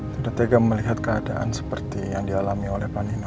sudah tega melihat keadaan seperti yang dialami oleh panina